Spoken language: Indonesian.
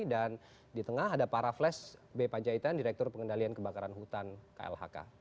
dan di tengah ada pak raffles b panjaitan direktur pengendalian kebakaran hutan klhk